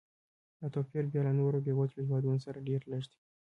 دا توپیر بیا له نورو بېوزلو هېوادونو سره ډېر لږ دی.